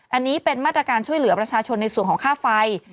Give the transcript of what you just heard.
อันนี้เป็นมาตรการช่วยเหลือประชาชนในส่วนของค่าไฟ